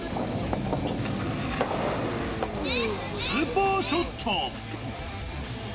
スーパーショット。